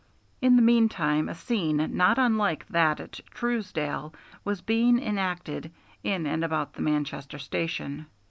In the meantime a scene not unlike that at Truesdale was being enacted in and about the Manchester station.